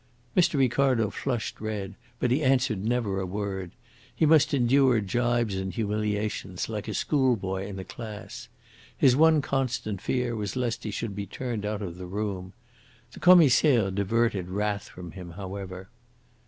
Mr. Ricardo flushed red, but he answered never a word. He must endure gibes and humiliations like a schoolboy in a class. His one constant fear was lest he should be turned out of the room. The Commissaire diverted wrath from him however.